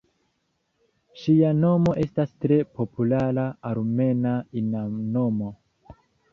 Ŝia nomo estas tre populara armena ina nomo.